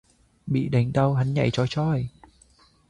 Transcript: Bị đánh đau hắn nhảy choi choi